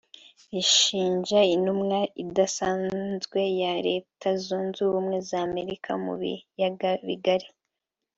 rishinja intumwa idasanzwe ya Leta Zunze Ubumwe za Amerika mu biyaga bigari